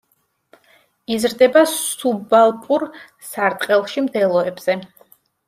იზრდება სუბალპურ სარტყელში მდელოებზე.